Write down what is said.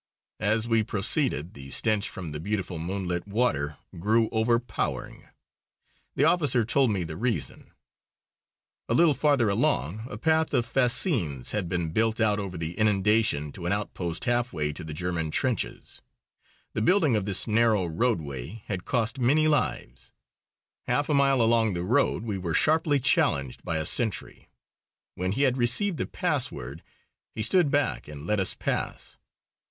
As we proceeded the stench from the beautiful moonlit water grew overpowering. The officer told me the reason. A little farther along a path of fascines had been built out over the inundation to an outpost halfway to the German trenches. The building of this narrow roadway had cost many lives. Half a mile along the road we were sharply challenged by a sentry. When he had received the password he stood back and let us pass.